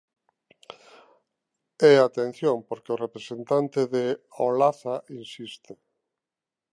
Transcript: E atención porque o representante de Olaza insiste.